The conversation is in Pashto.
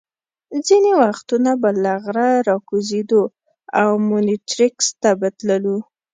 ځینې وختونه به له غره را کوزېدو او مونیټریکس ته به تللو.